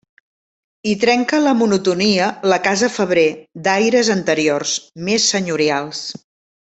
Hi trenca la monotonia la casa Febrer, d'aires anteriors, més senyorials.